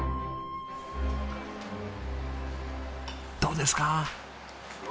どうですか？